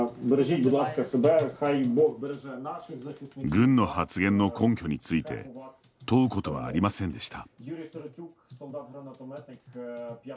軍の発言の根拠について問うことはありませんでした。